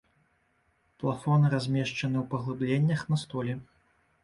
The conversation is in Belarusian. Плафоны размешчаны ў паглыбленнях на столі.